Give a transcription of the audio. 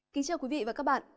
kính chào quý vị và các bạn